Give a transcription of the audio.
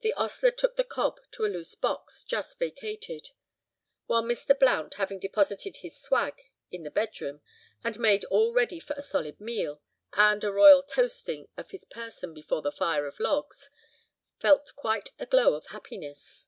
The ostler took the cob to a loose box, just vacated, while Mr. Blount having deposited his "swag" in the bedroom and made all ready for a solid meal, and a royal toasting of his person before the fire of logs, felt quite a glow of happiness.